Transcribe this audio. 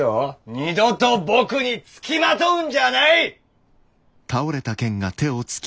二度と僕につきまとうんじゃあない！